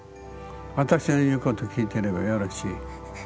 私の言うこと聞いていればよろしい。